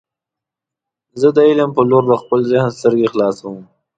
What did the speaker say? زه د علم په لور د خپل ذهن سترګې خلاصوم.